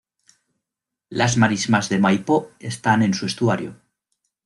Las marismas de Mai Po están en su estuario.